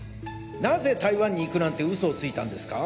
なぜ台湾に行くなんて嘘をついたんですか？